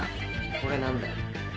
これ何だよ